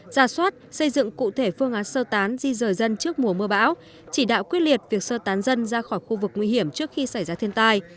ra soát xây dựng cụ thể phương án sơ tán di rời dân trước mùa mưa bão chỉ đạo quyết liệt việc sơ tán dân ra khỏi khu vực nguy hiểm trước khi xảy ra thiên tai